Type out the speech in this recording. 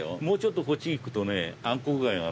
もうちょっとこっち行くとね暗黒街！？